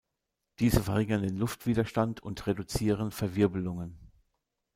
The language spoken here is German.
Diese verringern den Luftwiderstand und reduzieren Verwirbelungen.